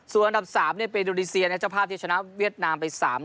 ส่วนอันดับ๓เนี่ยเปดูรีเซียในเจ้าภาพที่จะชนะเวียดนามไป๓๑